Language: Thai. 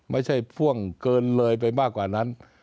พ่วงเกินเลยไปมากกว่านั้น